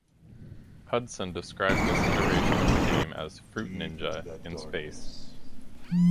Hudson described this iteration of the game as ""Fruit Ninja" in space".